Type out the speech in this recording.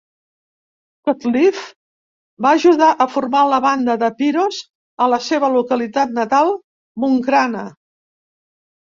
Cutliffe va ajudar a formar la banda The Pyros a la seva localitat natal, Buncrana.